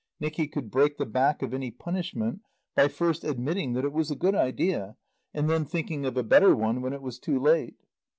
Nicky could break the back of any punishment by first admitting that it was a good idea and then thinking of a better one when it was too late.